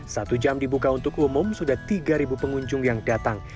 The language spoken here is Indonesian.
satu jam dibuka untuk umum sudah tiga pengunjung yang datang